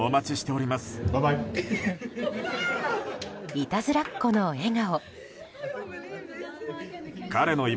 いたずらっ子の笑顔。